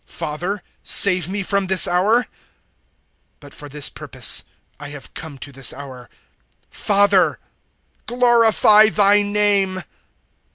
Father, save me from this hour. But for this purpose I have come to this hour. 012:028 Father, glorify Thy name."